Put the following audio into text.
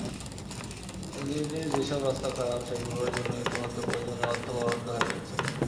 এলজিইডির যেসব রাস্তা খারাপ সেগুলোর জন্য ইতিমধ্যে প্রয়োজনীয় অর্থ বরাদ্দ হয়ে গেছে।